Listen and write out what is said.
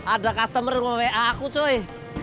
ada pelanggan rumah wa aku cuy